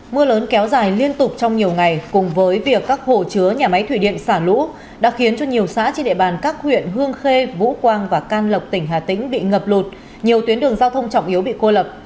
mưa lớn kéo dài liên tục trong nhiều ngày cùng với việc các hồ chứa nhà máy thủy điện xả lũ đã khiến cho nhiều xã trên địa bàn các huyện hương khê vũ quang và can lộc tỉnh hà tĩnh bị ngập lụt nhiều tuyến đường giao thông trọng yếu bị cô lập